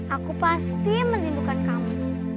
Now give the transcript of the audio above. aku pasti melindungi kamu